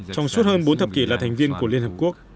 trong suốt hơn bốn thập kỷ là thành viên của liên hợp quốc